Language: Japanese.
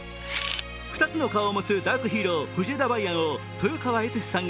２つの顔を持つダークヒーロー藤枝梅安を豊川悦司さんが